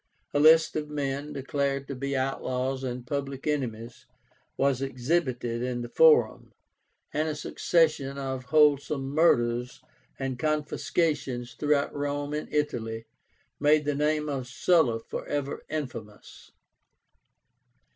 A list of men, declared to be outlaws and public enemies, was exhibited in the Forum, and a succession of wholesale murders and confiscations throughout Rome and Italy, made the name of Sulla forever infamous.